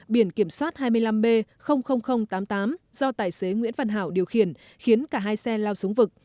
biển kiểm soát hai mươi năm b tám mươi tám do tài xế nguyễn văn hảo điều khiển khiến cả hai xe lao xuống vực